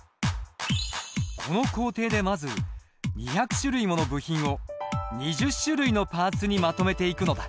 この工程でまず２００種類もの部品を２０種類のパーツにまとめていくのだ。